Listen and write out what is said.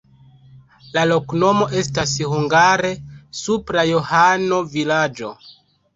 La loknomo estas hungare: supra-Johano-vilaĝo.